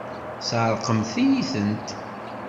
Tesεeṛqemt-iyi-tent!